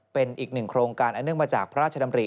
เป็นอีกหนึ่งโครงการอันเนื่องมาจากพระราชดำริ